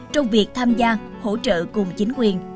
trong việc tham gia hỗ trợ cùng chính quyền